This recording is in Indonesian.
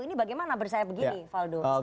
ini bagaimana berusaha begini valdo